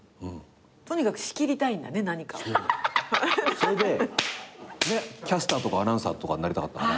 それでキャスターとかアナウンサーとかになりたかったから。